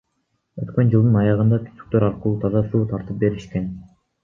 Өткөн жылдын аягында түтүктөр аркылуу таза суу тартып беришкен.